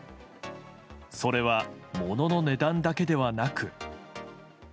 それは、物の値段だけではなく。